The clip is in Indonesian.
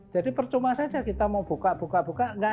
jadi percuma saja kita mau buka buka tidak ada yang terbuka